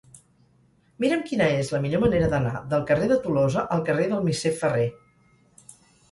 Mira'm quina és la millor manera d'anar del carrer de Tolosa al carrer del Misser Ferrer.